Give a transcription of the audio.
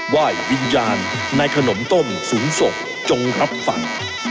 ว่ายวิญญาณในขนมต้มสูงสกจงรับฝั่ง